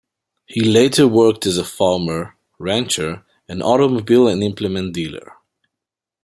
He later worked as a farmer, rancher, and automobile and implement dealer.